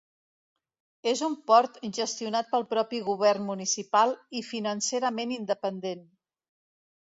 És un port gestionat pel propi govern municipal i financerament independent.